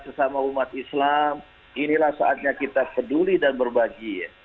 sesama umat islam inilah saatnya kita peduli dan berbagi